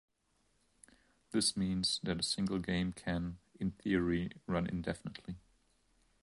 This means that a single game can, in theory, run indefinitely.